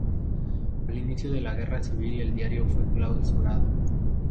Al inicio de la Guerra civil el diario fue clausurado.